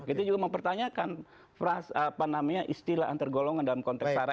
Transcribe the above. itu juga mempertanyakan apa namanya istilah antar golongan dalam konteks sa ra